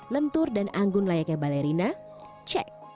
lentur dan anggun layaknya balerina cek